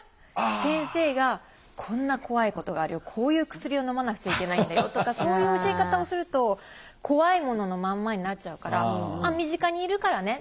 先生が「こんな怖いことがあるよ。こういう薬をのまなくちゃいけないんだよ」とかそういう教え方をすると怖いもののまんまになっちゃうから「身近にいるからね。